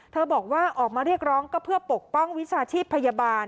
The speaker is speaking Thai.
บอกว่าออกมาเรียกร้องก็เพื่อปกป้องวิชาชีพพยาบาล